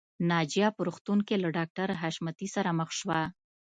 ناجیه په روغتون کې له ډاکټر حشمتي سره مخ شوه